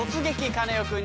カネオくん」。